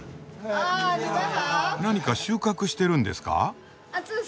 何か収穫してるんですか？